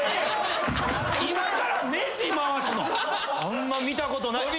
あんま見たことない。